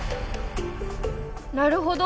なるほど！